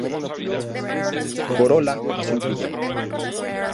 Corola azul brillante.